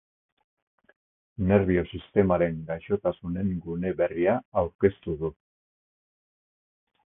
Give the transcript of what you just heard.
Nerbio-sistemaren gaixotasunen gune berria aurkeztu du.